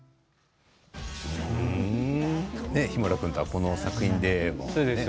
日村君とはこの作品でも。